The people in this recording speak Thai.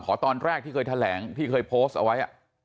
ตอนแรกที่เคยแถลงที่เคยโพสต์เอาไว้